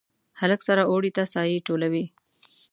هلک سره اوړي ته سایې ټولوي